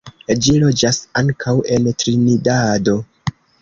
Ĝi loĝas ankaŭ en Trinidado.